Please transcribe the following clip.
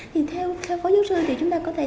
thì theo phó giáo sư thì chúng ta có thể